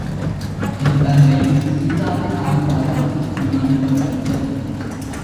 என் தங்கை சீதாவின் ஆவியாவது நிம்மதிபெற வேண்டும்.